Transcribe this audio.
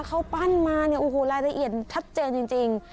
เขาปั้นมาเนี่ยโอ้โหรายละเอียดชัดเจนจริง